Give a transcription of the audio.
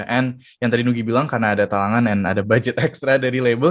dan yang tadi nugi bilang karena ada talangan dan ada budget ekstra dari label